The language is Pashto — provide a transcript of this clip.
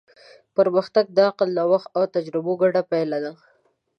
پرمختګ د عقل، نوښت او تجربه ګډه پایله ده.